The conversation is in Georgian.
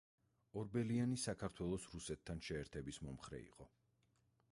ორბელიანი საქართველოს რუსეთთან შეერთების მომხრე იყო.